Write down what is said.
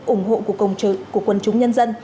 ủng hộ của công trợ của quân chúng nhân dân